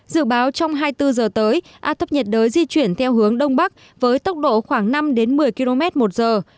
dự báo trong hai mươi bốn giờ tới áp thấp nhiệt đới di chuyển theo hướng đông bắc với tốc độ khoảng năm một mươi km một giờ